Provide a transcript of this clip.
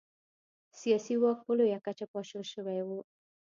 سیاسي واک په لویه کچه پاشل شوی و.